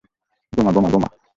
বোমা, বোমা, বোমা!